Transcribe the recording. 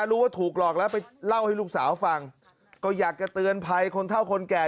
รู้ว่าถูกหลอกแล้วไปเล่าให้ลูกสาวฟังก็อยากจะเตือนภัยคนเท่าคนแก่